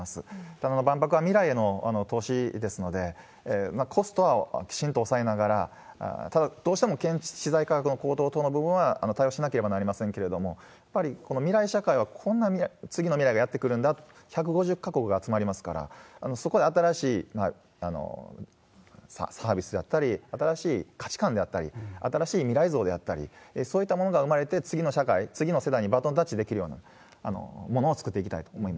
ただ、万博は未来への投資ですので、コストはきちんと抑えながら、ただ、どうしても資材価格の高騰等の部分は対応しなければなりませんけれども、やっぱりこの未来社会は、こんな次の未来がやって来るんだ、１５０か国が集まりますから、そこで新しいサービスだったり、新しい価値観であったり、新しい未来像であったり、そういったものが生まれて、次の社会、次の世代にバトンタッチできるようなものを作っていきたいと思い